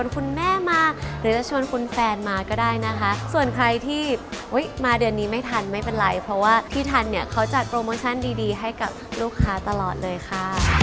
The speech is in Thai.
คุณแม่มาหรือจะชวนคุณแฟนมาก็ได้นะคะส่วนใครที่มาเดือนนี้ไม่ทันไม่เป็นไรเพราะว่าที่ทันเนี่ยเขาจัดโปรโมชั่นดีดีให้กับลูกค้าตลอดเลยค่ะ